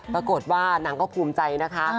ปรากฏว่านางก็ภูมิใจนะคะ